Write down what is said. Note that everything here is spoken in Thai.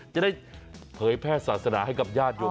จะได้เผยแพร่ศาสนาให้กับญาติโยม